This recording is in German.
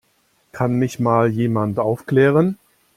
Kann mich mal jemand aufklären?